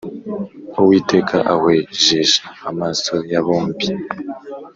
uwiteka ahwejesha amaso ya bombi